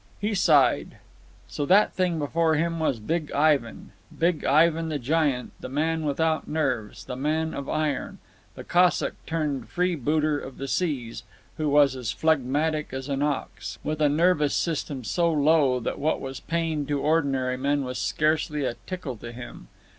He sighed. So that thing before him was Big Ivan—Big Ivan the giant, the man without nerves, the man of iron, the Cossack turned freebooter of the seas, who was as phlegmatic as an ox, with a nervous system so low that what was pain to ordinary men was scarcely a tickle to him.